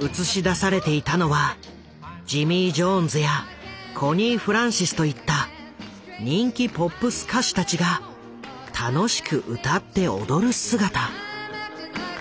映し出されていたのはジミー・ジョーンズやコニー・フランシスといった人気ポップス歌手たちが楽しく歌って踊る姿。